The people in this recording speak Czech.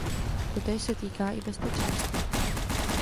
Totéž se týká i bezpečnosti.